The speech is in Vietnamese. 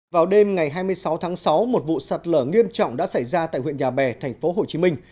vào đêm ngày hai mươi sáu tháng sáu một vụ sạt lở nghiêm trọng đã xảy ra tại huyện nhà bè thành phố hồ chí minh